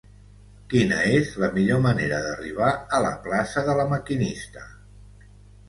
Quina és la millor manera d'arribar a la plaça de La Maquinista?